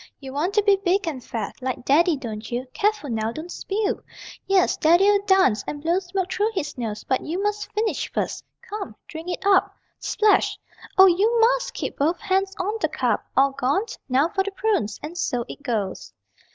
You want to be big and fat Like Daddy, don't you? (Careful now, don't spill!) Yes, Daddy'll dance, and blow smoke through his nose, But you must finish first. Come, drink it up (Splash!) Oh, you must keep both hands on the cup. All gone? Now for the prunes.... And so it goes.